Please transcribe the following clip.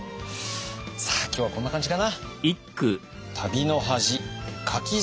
さあ今日はこんな感じかな。